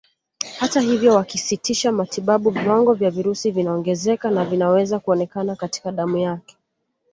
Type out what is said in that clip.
Hata hivyo wakisitisha matibabu viwango vya virusi vinaongezeka na vinaweza kuonekana katika damu yake